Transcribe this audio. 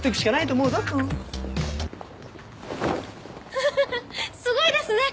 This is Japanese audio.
フフフフすごいですね。